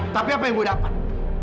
tapi apa yang ibu dapat